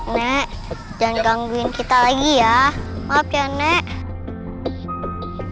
nek jangan gangguin kita lagi ya maaf ya nek